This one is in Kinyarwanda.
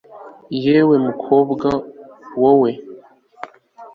yewe mukobwa wo we